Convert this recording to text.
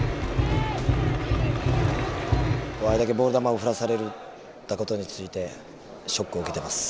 あれだけボール球を振らされたことについてショックを受けてます。